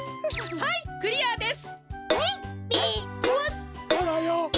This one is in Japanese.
はいクリアです！